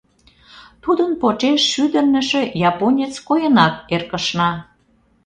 Тудын почеш шӱдырнышӧ японец койынак эркышна.